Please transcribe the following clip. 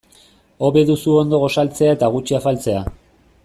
Hobe duzu ondo gosaltzea eta gutxi afaltzea.